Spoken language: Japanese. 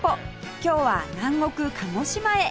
今日は南国鹿児島へ